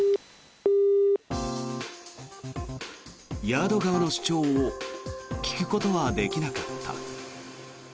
ヤード側の主張を聞くことはできなかった。